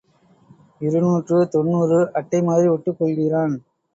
இருநூற்று தொன்னூறு அட்டை மாதிரி ஒட்டிக் கொள்கிறான்.